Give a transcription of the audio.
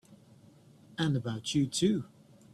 And about you too!